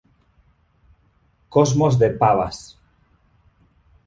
Cosmos de Pavas.